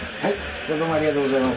じゃあどうもありがとうございました。